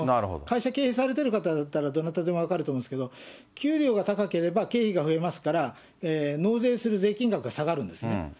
会社経営されてる方だったら、どなたでも分かると思うんですけど、給料が高ければ経費が増えますから、納税する税金額が下がるんですね。